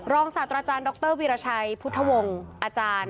รองศาสตราอาจารย์ดรวิราชัยพุทธวงศ์